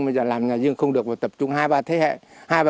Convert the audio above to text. bây giờ làm nhà nhưng không được tập trung hai ba thế hệ